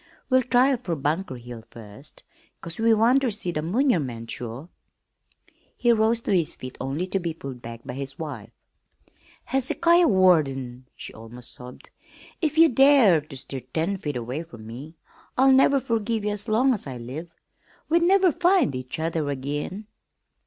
We'll try fer Bunker Hill first, 'cause we want ter see the munurmunt sure." He rose to his feet only to be pulled back by his wife. "Hezekiah Warden!" she almost sobbed. "If you dare ter stir ten feet away from me I'll never furgive ye as long as I live. We'd never find each other ag'in!"